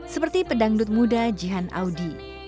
seperti pedangdut muda jihan audi